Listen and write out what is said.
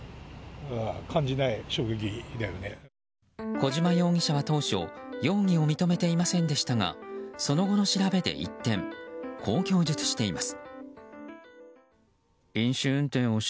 小島容疑者は当初容疑を認めていませんでしたがその後の調べで一転こう供述しています。